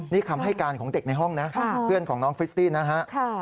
นี่คำให้การของเด็กในห้องนะเพื่อนของน้องฟิสตี้นะฮะ